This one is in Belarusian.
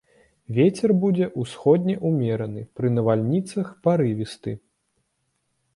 Вецер будзе ўсходні ўмераны, пры навальніцах парывісты.